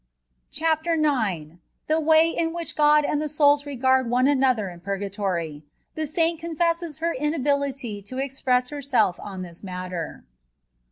CHAPTER IX. THE WAT IN WHICH OOD AND THE SOULS REOARD ONE ANOTHER IN PURGATORY — THE SAINT CONFESSES HER INABILITT TO EXPRESS HERSELF ON THIS MATTÈR.